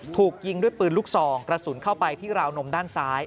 ถูกยิงด้วยปืนลูกซองกระสุนเข้าไปที่ราวนมด้านซ้าย